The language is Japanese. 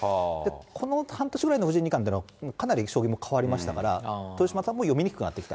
この半年ぐらいの藤井二冠というのは、かなり将棋も変わりましたから、豊島さんも読みにくくなってきた。